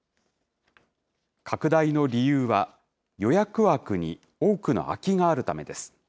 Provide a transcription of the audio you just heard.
拡大の理由は、予約枠に多くの空きがあるためです。